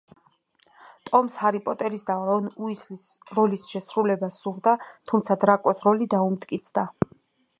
ტომს ჰარი პოტერის და რონ უისლის როლის შესრულება სურდა, თუმცა დრაკოს როლი დაუმტკიცდა.